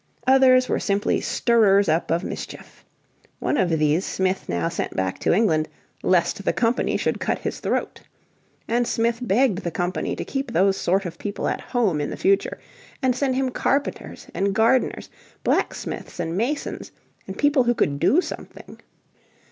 Others were simply stirrers up of mischief. One of these Smith now sent back to England "lest the company should cut his throat." And Smith begged the Company to keep those sort of people at home in the future, and send him carpenters and gardeners, blacksmiths and masons, and people who could do something.